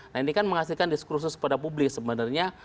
nah ini kan menghasilkan diskursus kepada publik sebenarnya